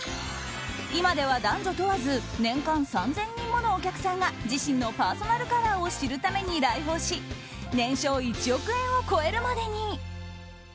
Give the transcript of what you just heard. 今では男女問わず年間３０００人ものお客さんが自身のパーソナルカラーを知るために来訪し年商１億円を超えるまでに。